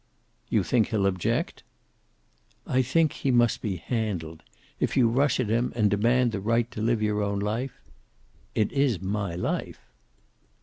"You think he'll object?" "I think he must be handled. If you rush at him, and demand the right to live your own life " "It is my life."